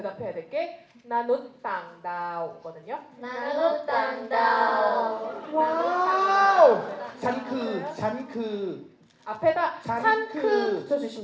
จังกิฉันไม่เป็นภาษาอัปดาห์